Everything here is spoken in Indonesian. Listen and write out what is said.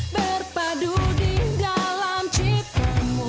berpadu di dalam cita mu